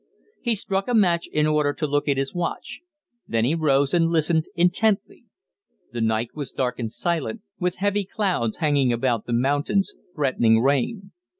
He struck a match in order to look at his watch. Then he rose and listened intently. The night was dark and silent, with heavy clouds hanging about the mountains, threatening rain.